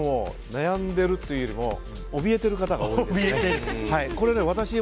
悩んでいるというよりもおびえている方が多いですね。